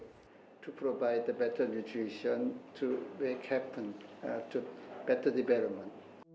và sữa mẹ chính là nguồn thực phẩm chứa đầy đủ những dưỡng chất mà đứa trẻ cần để phát triển khỏe mạnh